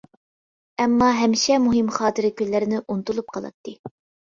ئەمما، ھەمىشە مۇھىم خاتىرە كۈنلەرنى ئۇنتۇلۇپ قالاتتى.